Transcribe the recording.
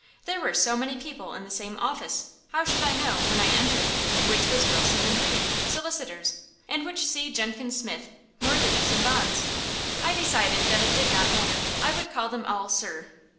There were so many people in the same office, how should I know, when I entered, which was Wilson & Reed, Solicitors, and which C. Jenkins Smith, Mortgages and Bonds? I decided that it did not matter: I would call them all "Sir."